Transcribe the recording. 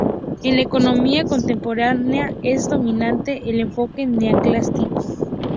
En la economía contemporánea es dominante el enfoque neoclásico.